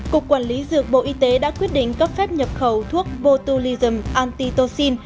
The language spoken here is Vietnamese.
cục quản lý dược bộ y tế đã quyết định cấp phép nhập khẩu thuốc botulishum antitocin